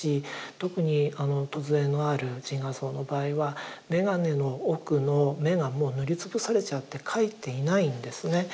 特にあの「梢のある自画像」の場合は眼鏡の奥の眼が塗りつぶされちゃって描いていないんですね。